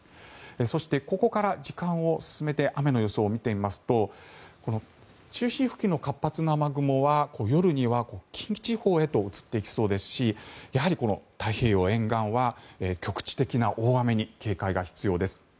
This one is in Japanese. そして、ここから時間を進めて雨の予想を見てみますと中心付近の活発な雨雲は夜には近畿地方へと移っていきそうですしやはり、太平洋沿岸は局地的な大雨に警戒が必要です。